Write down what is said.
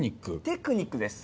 テクニック。です。